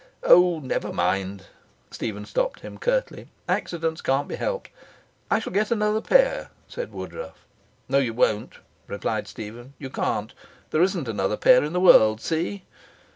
'Oh, never mind,' Stephen stopped him curtly. 'Accidents can't be helped.' 'I shall get another pair,' said Woodruff. 'No, you won't,' replied Stephen. 'You can't. There isn't another pair in the world. See?'